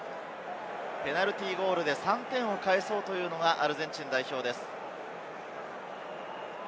ペナルティーゴールで３点を返そうというのがアルゼンチン代表です。